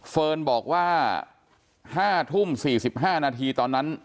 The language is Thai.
เฟิร์นบอกว่า๕ทุ่ม๔๕นาทีตอนนั้น